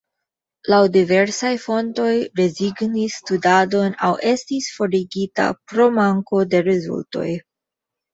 Laŭ diversaj fontoj rezignis studadon aŭ estis forigita pro manko de rezultoj.